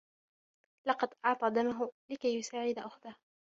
لقد أعطى دمه لكى يساعد أخته.